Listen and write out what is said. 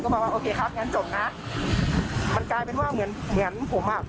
มันกลายเป็นว่าเหมือนผมอ่ะ